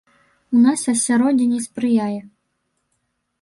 У нас асяроддзе не спрыяе.